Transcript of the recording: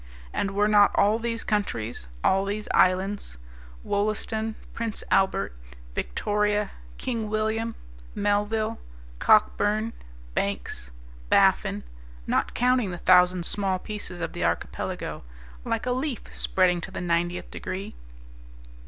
And were not all these countries, all these islands Wollaston, Prince Albert, Victoria, King William, Melville, Cockburne, Banks, Baffin, not counting the thousand small pieces of the archipelago like a leaf spreading to the 90th degree?